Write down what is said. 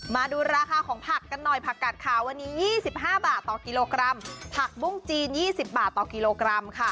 มาดูราคาของผักกันหน่อยผักกัดขาววันนี้๒๕บาทต่อกิโลกรัมผักบุ้งจีน๒๐บาทต่อกิโลกรัมค่ะ